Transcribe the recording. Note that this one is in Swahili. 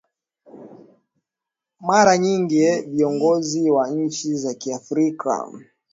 mara nyingi ee viongozi wa nchi za kiafrika